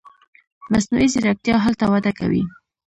مصنوعي ځیرکتیا هلته وده کوي.